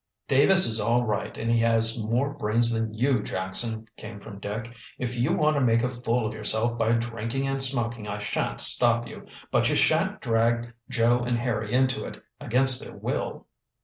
"Davis is all right, and he has more brains than you, Jackson," came from Dick. "If you want to make a fool of yourself by drinking and smoking, I shan't stop you. But you shan't drag Joe and Harry into it against their will."